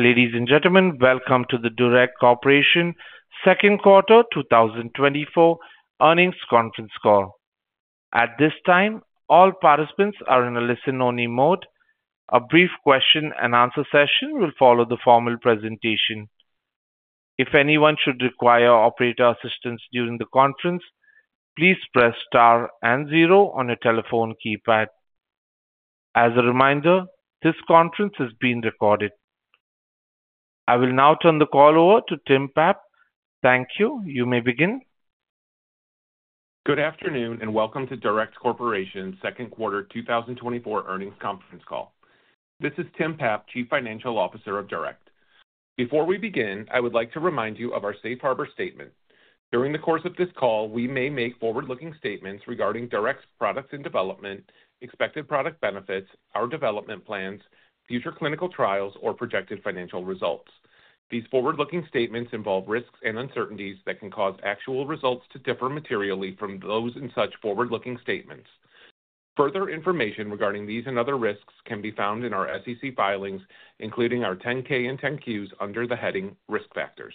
Ladies and gentlemen, welcome to the DURECT Corporation Second Quarter 2024 Earnings Conference Call. At this time, all participants are in a listen-only mode. A brief question-and-answer session will follow the formal presentation. If anyone should require operator assistance during the conference, please press Star and zero on your telephone keypad. As a reminder, this conference is being recorded. I will now turn the call over to Tim Papp. Thank you. You may begin. Good afternoon, and welcome to DURECT Corporation's Second Quarter 2024 Earnings Conference Call. This is Tim Papp, Chief Financial Officer of DURECT. Before we begin, I would like to remind you of our safe harbor statement. During the course of this call, we may make forward-looking statements regarding DURECT's products in development, expected product benefits, our development plans, future clinical trials, or projected financial results. These forward-looking statements involve risks and uncertainties that can cause actual results to differ materially from those in such forward-looking statements. Further information regarding these and other risks can be found in our SEC filings, including our 10-K and 10-Qs, under the heading Risk Factors.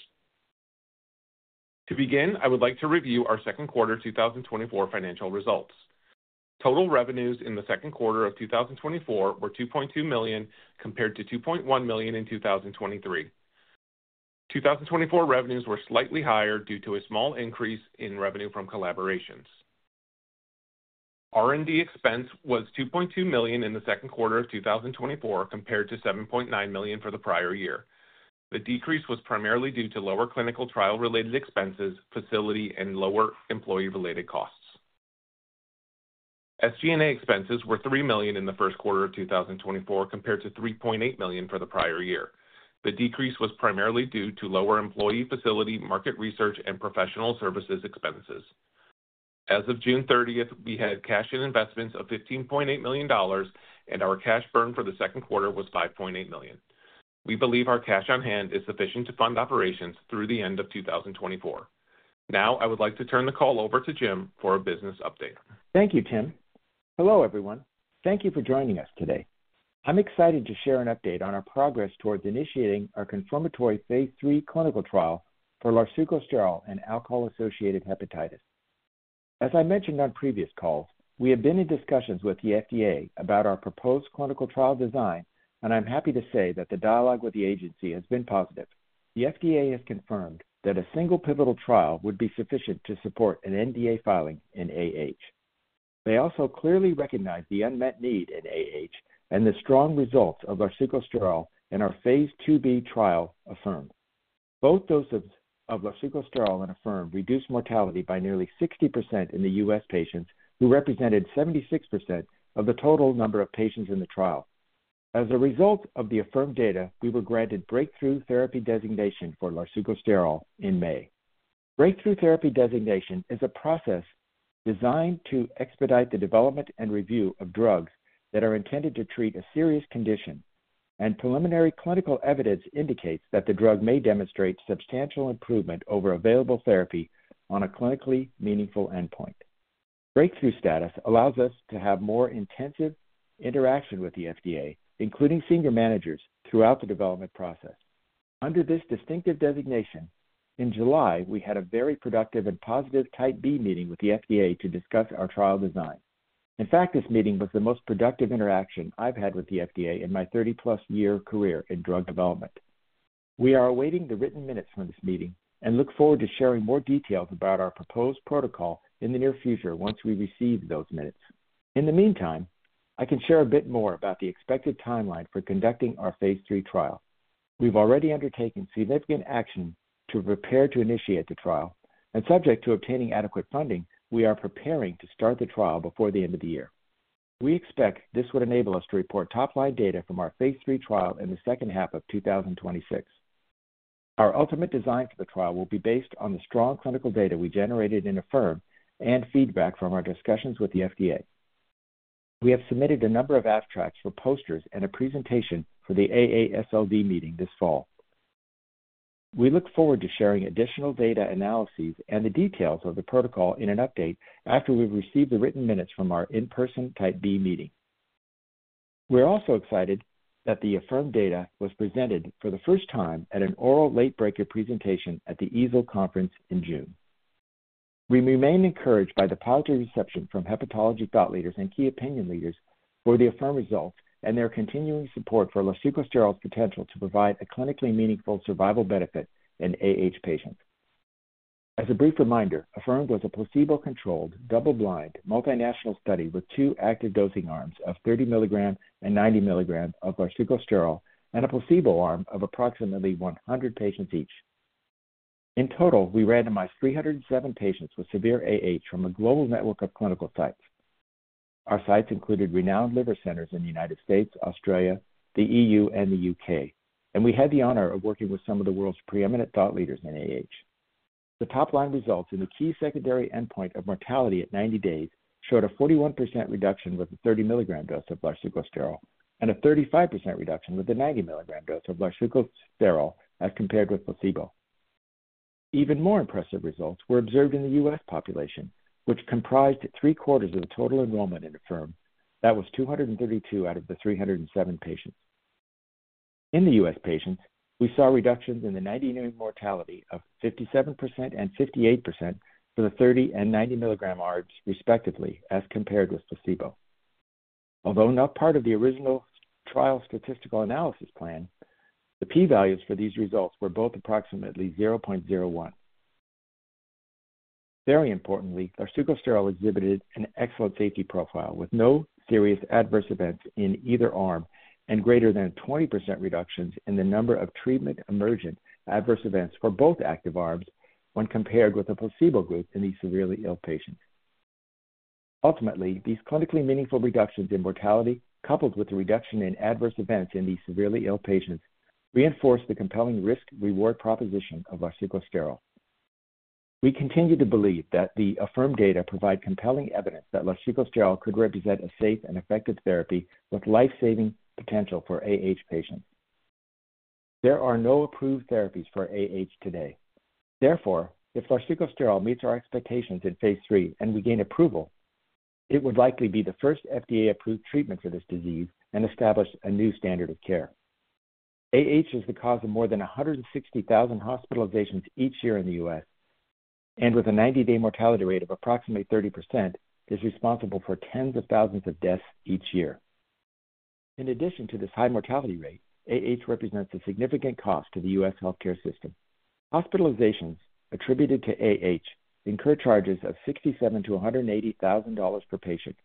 To begin, I would like to review our second quarter 2024 financial results. Total revenues in the second quarter of 2024 were $2.2 million, compared to $2.1 million in 2023. 2024 revenues were slightly higher due to a small increase in revenue from collaborations. R&D expense was $2.2 million in the second quarter of 2024, compared to $7.9 million for the prior year. The decrease was primarily due to lower clinical trial-related expenses, facility, and lower employee-related costs. SG&A expenses were $3 million in the first quarter of 2024, compared to $3.8 million for the prior year. The decrease was primarily due to lower employee, facility, market research, and professional services expenses. As of June 30th, we had cash and investments of $15.8 million, and our cash burn for the second quarter was $5.8 million. We believe our cash on hand is sufficient to fund operations through the end of 2024. Now, I would like to turn the call over to Jim for a business update. Thank you, Tim. Hello, everyone. Thank you for joining us today. I'm excited to share an update on our progress towards initiating our confirmatory phase III clinical trial for larsucosterol and alcohol-associated hepatitis. As I mentioned on previous calls, we have been in discussions with the FDA about our proposed clinical trial design, and I'm happy to say that the dialogue with the agency has been positive. The FDA has confirmed that a single pivotal trial would be sufficient to support an NDA filing in AH. They also clearly recognize the unmet need in AH and the strong results of larsucosterol in our phase II-B trial, AHFIRM. Both doses of larsucosterol in AHFIRM reduced mortality by nearly 60% in the U.S. patients, who represented 76% of the total number of patients in the trial. As a result of the AHFIRM data, we were granted Breakthrough Therapy Designation for larsucosterol in May. Breakthrough Therapy Designation is a process designed to expedite the development and review of drugs that are intended to treat a serious condition, and preliminary clinical evidence indicates that the drug may demonstrate substantial improvement over available therapy on a clinically meaningful endpoint. Breakthrough status allows us to have more intensive interaction with the FDA, including senior managers, throughout the development process. Under this distinctive designation, in July, we had a very productive and positive Type B meeting with the FDA to discuss our trial design. In fact, this meeting was the most productive interaction I've had with the FDA in my 30+-year career in drug development. We are awaiting the written minutes from this meeting and look forward to sharing more details about our proposed protocol in the near future once we receive those minutes. In the meantime, I can share a bit more about the expected timeline for conducting our phase III trial. We've already undertaken significant action to prepare to initiate the trial, and subject to obtaining adequate funding, we are preparing to start the trial before the end of the year. We expect this would enable us to report top-line data from our phase III trial in the second half of 2026. Our ultimate design for the trial will be based on the strong clinical data we generated in AHFIRM and feedback from our discussions with the FDA. We have submitted a number of abstracts for posters and a presentation for the AASLD meeting this fall. We look forward to sharing additional data analyses and the details of the protocol in an update after we've received the written minutes from our in-person Type B meeting. We're also excited that the AHFIRM data was presented for the first time at an oral late-breaker presentation at the EASL conference in June. We remain encouraged by the positive reception from hepatology thought leaders and key opinion leaders for the AHFIRM results and their continuing support for larsucosterol's potential to provide a clinically meaningful survival benefit in AH patients. As a brief reminder, AHFIRM was a placebo-controlled, double-blind, multinational study with two active dosing arms of 30 mg and 90 mg of larsucosterol and a placebo arm of approximately 100 patients each. In total, we randomized 307 patients with severe AH from a global network of clinical sites. Our sites included renowned liver centers in the United States, Australia, the E.U., and the U.K., and we had the honor of working with some of the world's preeminent thought leaders in AH. The top-line results in the key secondary endpoint of mortality at 90 days showed a 41% reduction with the 30 mg dose of larsucosterol and a 35% reduction with the 90 mg dose of larsucosterol as compared with placebo. Even more impressive results were observed in the U.S. population, which comprised three-quarters of the total enrollment in the AHFIRM. That was 232 out of the 307 patients. In the U.S. patients, we saw reductions in the 90-day mortality of 57% and 58% for the 30 mg and 90 mg arms, respectively, as compared with placebo. Although not part of the original trial statistical analysis plan, the P values for these results were both approximately 0.01. Very importantly, larsucosterol exhibited an excellent safety profile, with no serious adverse events in either arm and greater than 20% reductions in the number of treatment emergent adverse events for both active arms when compared with the placebo group in these severely ill patients. Ultimately, these clinically meaningful reductions in mortality, coupled with a reduction in adverse events in these severely ill patients, reinforce the compelling risk-reward proposition of larsucosterol. We continue to believe that the AHFIRM data provide compelling evidence that larsucosterol could represent a safe and effective therapy with life-saving potential for AH patients. There are no approved therapies for AH today. Therefore, if larsucosterol meets our expectations in phase III and we gain approval, it would likely be the first FDA-approved treatment for this disease and establish a new standard of care. AH is the cause of more than 160,000 hospitalizations each year in the U.S., and with a 90-day mortality rate of approximately 30%, is responsible for tens of thousands of deaths each year. In addition to this high mortality rate, AH represents a significant cost to the U.S. healthcare system. Hospitalizations attributed to AH incur charges of $67,000-$180,000 per patient,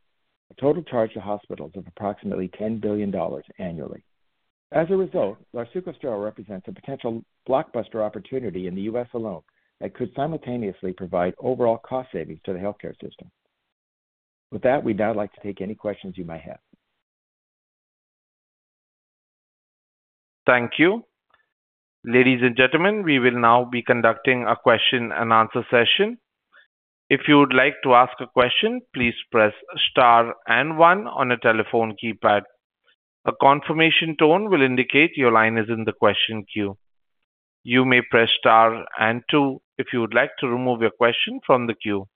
a total charge to hospitals of approximately $10 billion annually. As a result, larsucosterol represents a potential blockbuster opportunity in the U.S. alone, that could simultaneously provide overall cost savings to the healthcare system. With that, we'd now like to take any questions you might have. Thank you. Ladies and gentlemen, we will now be conducting a question and answer session. If you would like to ask a question, please press star and one on your telephone keypad. A confirmation tone will indicate your line is in the question queue. You may press star and two if you would like to remove your question from the queue.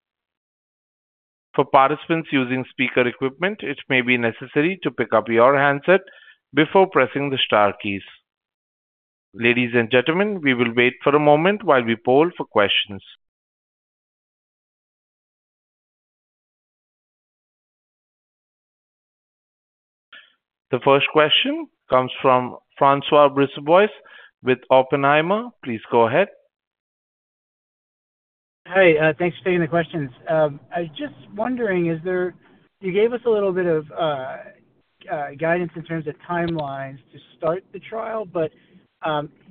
For participants using speaker equipment, it may be necessary to pick up your handset before pressing the star keys. Ladies and gentlemen, we will wait for a moment while we poll for questions. The first question comes from François Brisebois with Oppenheimer. Please go ahead. Hi, thanks for taking the questions. I was just wondering, is there-- you gave us a little bit of guidance in terms of timelines to start the trial, but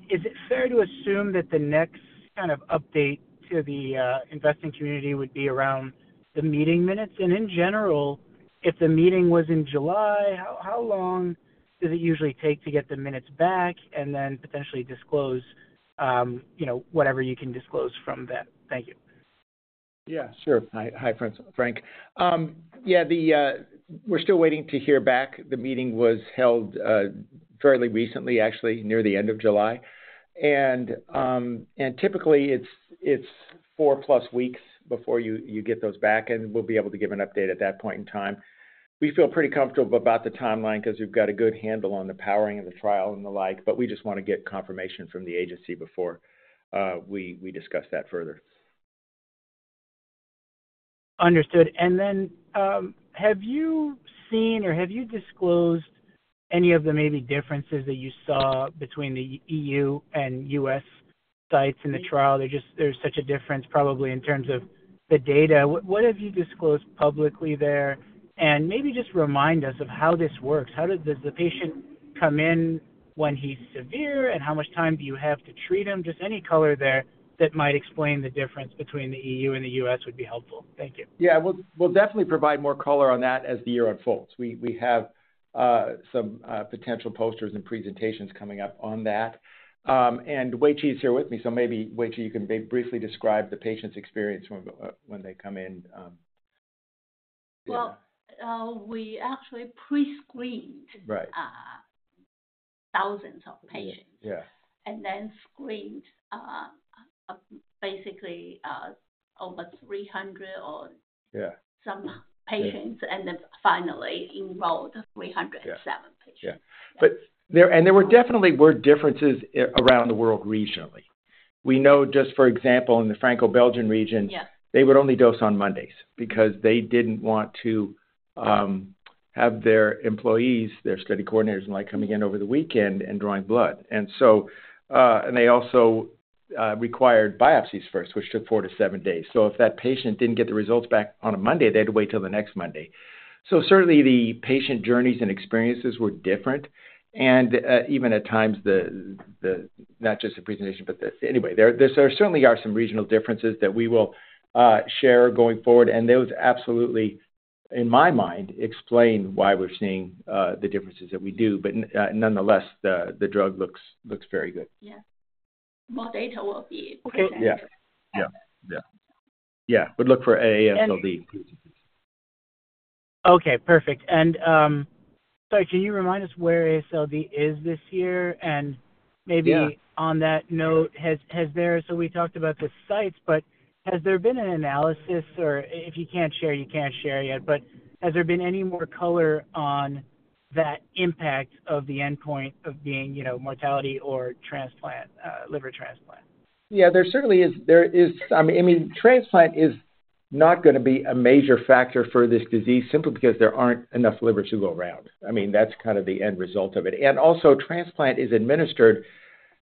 is it fair to assume that the next kind of update to the investing community would be around the meeting minutes? And in general, if the meeting was in July, how long does it usually take to get the minutes back and then potentially disclose, you know, whatever you can disclose from that? Thank you. Yeah, sure. Hi. Hi, François. Yeah, the- we're still waiting to hear back. The meeting was held fairly recently, actually, near the end of July. And typically, it's 4-plus weeks before you get those back, and we'll be able to give an update at that point in time. We feel pretty comfortable about the timeline because we've got a good handle on the powering of the trial and the like, but we just want to get confirmation from the agency before we discuss that further. Understood. Have you seen or have you disclosed any of the maybe differences that you saw between the EU and U.S. sites in the trial? There's such a difference, probably in terms of the data. What have you disclosed publicly there? Maybe just remind us of how this works. How does the patient come in when he's severe, and how much time do you have to treat him? Just any color there that might explain the difference between the EU and the U.S. would be helpful. Thank you. Yeah. We'll, we'll definitely provide more color on that as the year unfolds. We, we have some potential posters and presentations coming up on that. And WeiQi is here with me, so maybe, WeiQi, you can briefly describe the patient's experience when, when they come in. Well, we actually pre-screened- Right. - thousands of patients. Yeah. And then screened, basically, over 300 or- Yeah. some patients, and then finally enrolled 307 patients. Yeah. But there were definitely differences around the world regionally. We know, just for example, in the Franco-Belgian region- Yeah.... they would only dose on Mondays because they didn't want to have their employees, their study coordinators, and like, coming in over the weekend and drawing blood. And so, and they also required biopsies first, which took four to seven days. So if that patient didn't get the results back on a Monday, they had to wait till the next Monday. So certainly, the patient journeys and experiences were different, and even at times, not just the presentation, but the- anyway, there certainly are some regional differences that we will share going forward, and those absolutely, in my mind, explain why we're seeing the differences that we do. But nonetheless, the drug looks very good. Yeah. More data will be okay. Yeah. Yeah. Yeah. Yeah, but look for AASLD. Okay, perfect. And, sorry, can you remind us where AASLD is this year? And maybe- Yeah. On that note, has there—so we talked about the sites, but has there been an analysis or if you can't share, you can't share yet, but has there been any more color on that impact of the endpoint of being, you know, mortality or transplant, liver transplant? Yeah, there certainly is. There is, I mean, transplant is not gonna be a major factor for this disease simply because there aren't enough livers to go around. I mean, that's kind of the end result of it. And also, transplant is administered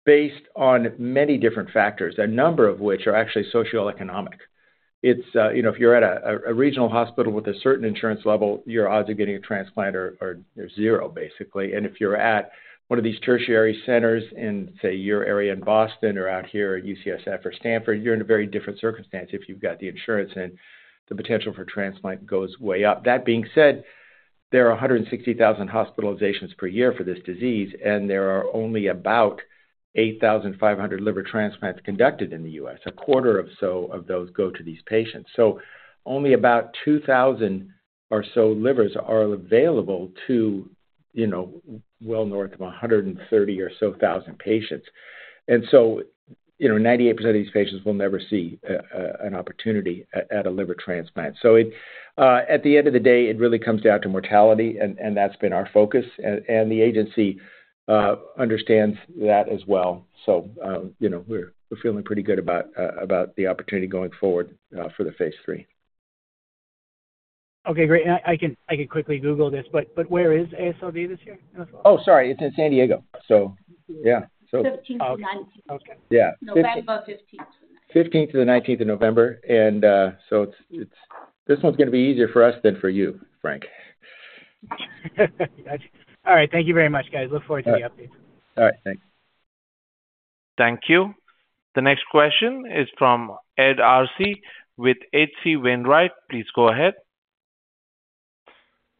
based on many different factors, a number of which are actually socioeconomic. It's, you know, if you're at a regional hospital with a certain insurance level, your odds of getting a transplant are zero, basically. And if you're at one of these tertiary centers in, say, your area in Boston or out here at UCSF or Stanford, you're in a very different circumstance if you've got the insurance and the potential for transplant goes way up. That being said, there are 160,000 hospitalizations per year for this disease, and there are only about 8,500 liver transplants conducted in the U.S. A quarter or so of those go to these patients. So only about 2,000 or so livers are available to, you know, well north of 130,000 or so patients. And so, you know, 98% of these patients will never see an opportunity at a liver transplant. So it, at the end of the day, it really comes down to mortality, and that's been our focus, and the agency understands that as well. So, you know, we're feeling pretty good about the opportunity going forward for the phase III. Okay, great. I can, I can quickly Google this, but, but where is AASLD this year? Oh, sorry, it's in San Diego. So yeah. 15th to 19th. Yeah. November 15th. 15th to the 19th of November, and so it's. This one's gonna be easier for us than for you, Frank. Gotcha. All right, thank you very much, guys. Look forward to the update. All right, thanks. Thank you. The next question is from Ed Arce with H.C. Wainwright. Please go ahead.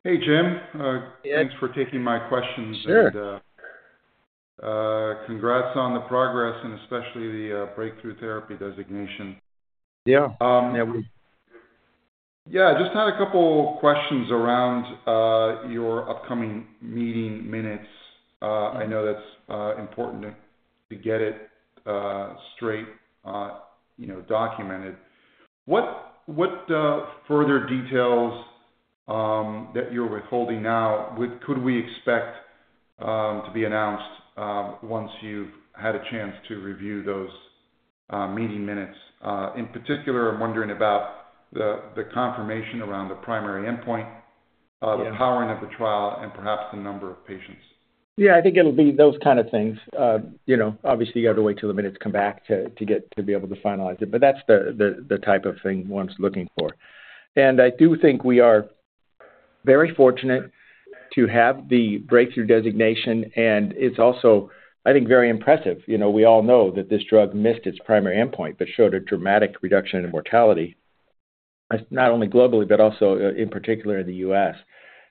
Hey, Jim. Hey, Ed. Thanks for taking my questions- Sure. Congrats on the progress and especially the Breakthrough Therapy Designation. Yeah. Yeah, we- Yeah, just had a couple questions around your upcoming meeting minutes. I know that's important to get it straight, you know, documented. What further details that you're withholding now could we expect to be announced once you've had a chance to review those meeting minutes? In particular, I'm wondering about the confirmation around the primary endpoint. Yeah.... the powering of the trial, and perhaps the number of patients. Yeah, I think it'll be those kind of things. You know, obviously, you have to wait till the minutes come back to get to be able to finalize it, but that's the type of thing one's looking for. And I do think we are very fortunate to have the breakthrough designation, and it's also, I think, very impressive. You know, we all know that this drug missed its primary endpoint, but showed a dramatic reduction in mortality, not only globally, but also in particular in the U.S.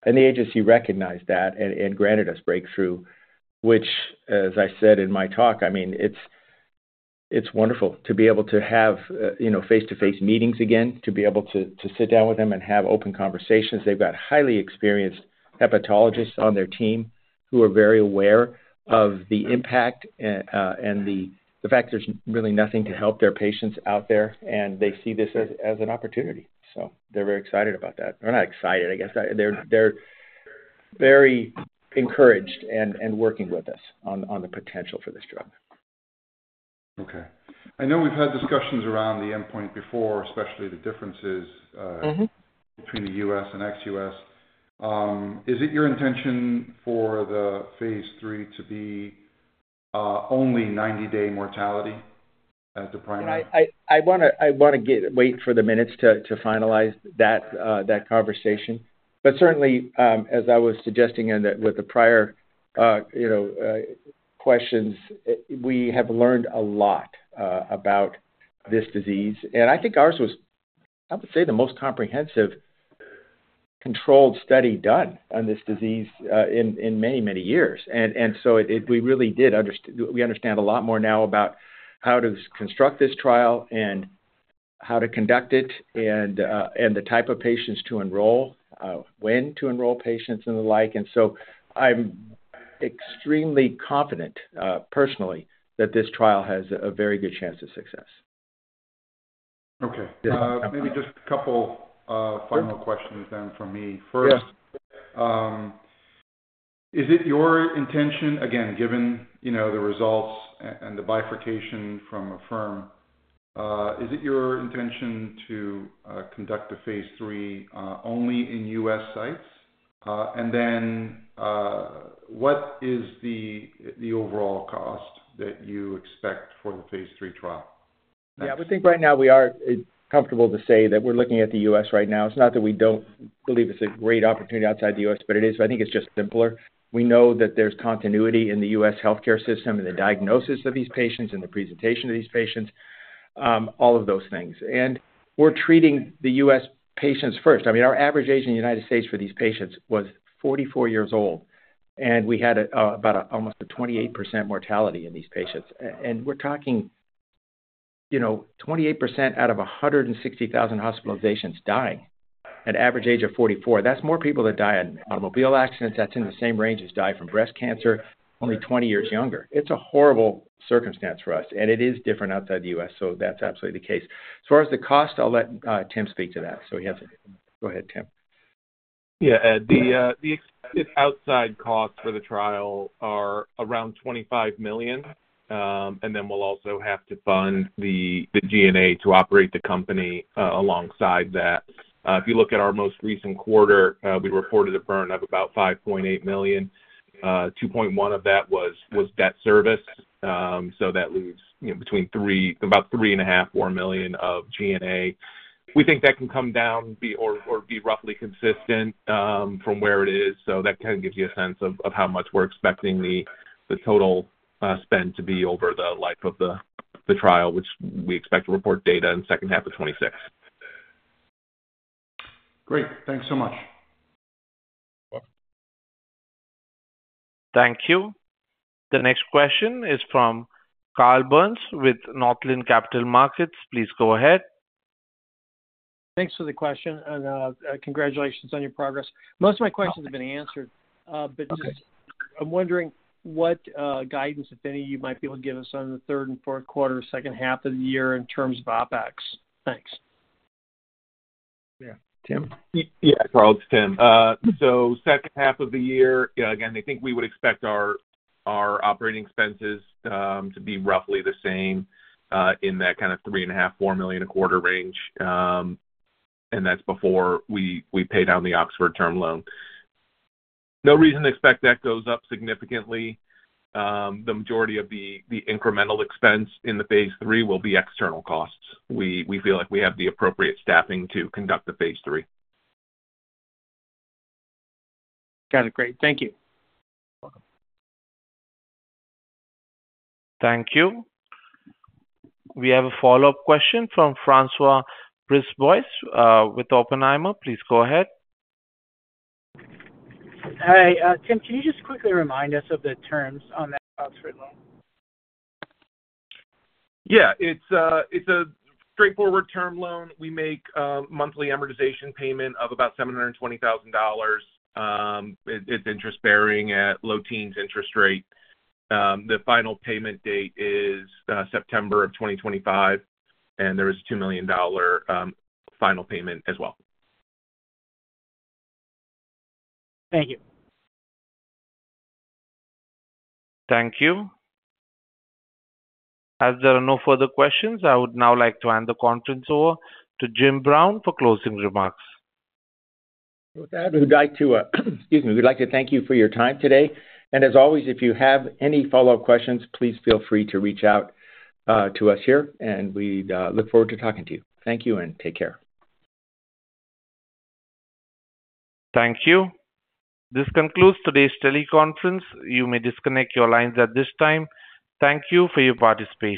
And the agency recognized that and granted us breakthrough, which, as I said in my talk, I mean, it's wonderful to be able to have, you know, face-to-face meetings again, to be able to sit down with them and have open conversations. They've got highly experienced hepatologists on their team who are very aware of the impact and the fact there's really nothing to help their patients out there, and they see this as an opportunity. So they're very excited about that. They're not excited, I guess. They're very encouraged and working with us on the potential for this drug. Okay. I know we've had discussions around the endpoint before, especially the differences. Mm-hmm.... between the U.S. and ex-U.S. Is it your intention for the phase III to be only 90-day mortality as the primary? I wanna wait for the minutes to finalize that conversation. But certainly, as I was suggesting in the, with the prior, you know, questions, we have learned a lot about this disease, and I think ours was, I would say, the most comprehensive controlled study done on this disease in many years. And so it, we really did understand. We understand a lot more now about how to construct this trial and how to conduct it, and the type of patients to enroll, when to enroll patients and the like. And so I'm extremely confident, personally, that this trial has a very good chance of success. Okay. Yeah. Maybe just a couple final questions then from me. Yeah. First, is it your intention, again, given, you know, the results and the bifurcation from AHFIRM, is it your intention to conduct the phase III only in U.S. sites? And then, what is the overall cost that you expect for the phase III trial? Yeah, I think right now we are comfortable to say that we're looking at the U.S. right now. It's not that we don't believe it's a great opportunity outside the U.S., but it is. I think it's just simpler. We know that there's continuity in the U.S. healthcare system, and the diagnosis of these patients, and the presentation of these patients, all of those things. And we're treating the U.S. patients first. I mean, our average age in the United States for these patients was 44 years old, and we had about almost a 28% mortality in these patients. And we're talking... you know, 28% out of 160,000 hospitalizations dying, at average age of 44. That's more people that die in automobile accidents. That's in the same range as die from breast cancer, only 20 years younger. It's a horrible circumstance for us, and it is different outside the U.S., so that's absolutely the case. As far as the cost, I'll let Tim speak to that. So he has it. Go ahead, Tim. Yeah, Ed, the expected outside costs for the trial are around $25 million. And then we'll also have to fund the G&A to operate the company alongside that. If you look at our most recent quarter, we reported a burn of about $5.8 million. Two point one of that was debt service. So that leaves, you know, between $3 million, about $3.5 million, $4 million of G&A. We think that can come down or be roughly consistent from where it is, so that kind of gives you a sense of how much we're expecting the total spend to be over the life of the trial, which we expect to report data in second half of 2026. Great. Thanks so much. You're welcome. Thank you. The next question is from Carl Byrnes with Northland Capital Markets. Please go ahead. Thanks for the question, and congratulations on your progress. Most of my questions have been answered. But just I'm wondering what guidance, if any, you might be able to give us on the third and fourth quarter, second half of the year, in terms of OpEx? Thanks. Yeah, Tim? Yeah, Carl, it's Tim. So second half of the year, yeah, again, I think we would expect our, our operating expenses, to be roughly the same, in that kind of $3.5 million-$4 million a quarter range. And that's before we, we pay down the Oxford term loan. No reason to expect that goes up significantly. The majority of the, the incremental expense in the phase III will be external costs. We, we feel like we have the appropriate staffing to conduct the phase III. Got it. Great. Thank you. You're welcome. Thank you. We have a follow-up question from Francois Brisebois, with Oppenheimer. Please go ahead. Hi, Tim, can you just quickly remind us of the terms on that Oxford loan? Yeah, it's a straightforward term loan. We make a monthly amortization payment of about $720,000. It's interest-bearing at low teens interest rate. The final payment date is September of 2025, and there is a $2 million final payment as well. Thank you. Thank you. As there are no further questions, I would now like to hand the conference over to Jim Brown for closing remarks. With that, excuse me. We'd like to thank you for your time today, and as always, if you have any follow-up questions, please feel free to reach out to us here, and we look forward to talking to you. Thank you, and take care. Thank you. This concludes today's teleconference. You may disconnect your lines at this time. Thank you for your participation.